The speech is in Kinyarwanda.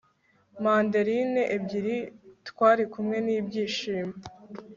mandarine ebyiri - twarikumwe n'ibyishimo